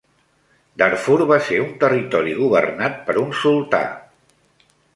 Darfur va ser un territori governat per un sultà.